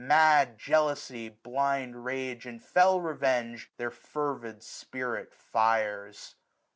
Mad jealousy, blind rage, and fell revenge. Their fervid spirit fires.